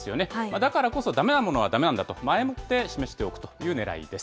だからこそ、だめなものはだめなんだと、前もって示しておくというねらいです。